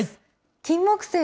キンモクセイ。